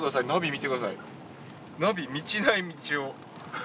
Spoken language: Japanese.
ナビ道ない道を。